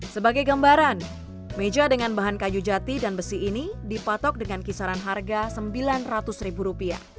sebagai gambaran meja dengan bahan kayu jati dan besi ini dipatok dengan kisaran harga rp sembilan ratus